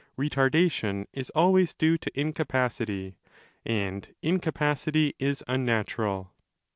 Retardation is always due to incapacity, and incapacity is unnatural.